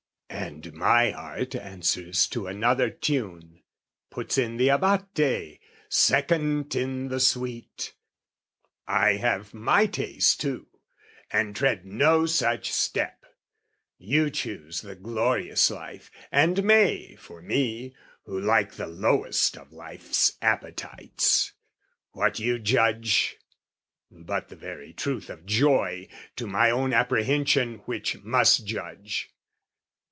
"And my heart answers to another tune," Puts in the Abate, second in the suite, "I have my taste too, and tread no such step! "You choose the glorious life, and may, for me, "Who like the lowest of life's appetites, "What you judge, but the very truth of joy "To my own apprehension which must judge.